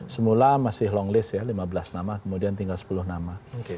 semula masih long list ya lima belas nama kemudian tinggal sepuluh nama